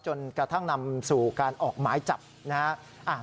จนกระทั่งนำสู่การออกไม้จับนะครับ